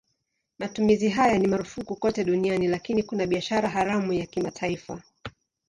Matumizi haya ni marufuku kote duniani lakini kuna biashara haramu ya kimataifa.